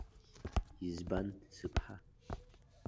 Избан, сыԥҳа!